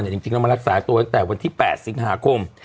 จริงแล้วมารักษาตัวตั้งแต่วันที่๘สิงหาคม